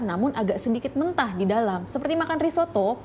namun agak sedikit mentah di dalam seperti makan risoto